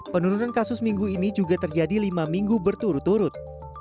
penurunan kasus minggu ini juga terjadi lima minggu berturut turut